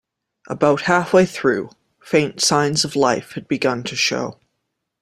About half-way through, faint signs of life had begun to show.